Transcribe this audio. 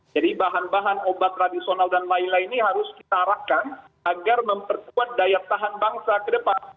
jadi bahan bahan obat tradisional dan lain lain ini harus kita arahkan agar memperkuat daya tahan bangsa ke depan